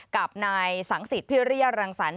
กับนายสังสิทธิพิริยรังสรรค